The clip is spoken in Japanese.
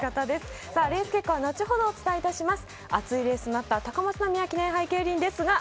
レース結果は後ほどお伝えします。